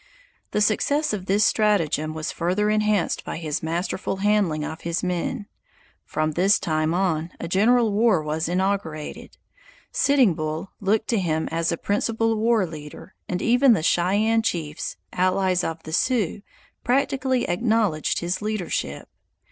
The success of this stratagem was further enhanced by his masterful handling of his men. From this time on a general war was inaugurated; Sitting Bull looked to him as a principal war leader, and even the Cheyenne chiefs, allies of the Sioux, practically acknowledged his leadership.